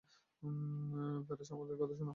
Porous, আমার কথা শোন।